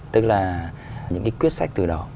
tức là những cái quyết sách từ đó